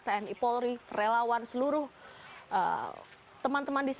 di apresiasi kami